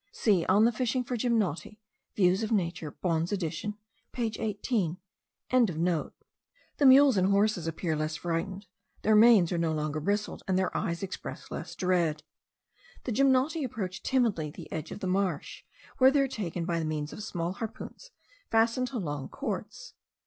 See, on the fishing for gymnoti Views of Nature Bohn's edition page 18.) The mules and horses appear less frightened; their manes are no longer bristled, and their eyes express less dread. The gymnoti approach timidly the edge of the marsh, where they are taken by means of small harpoons fastened to long cords.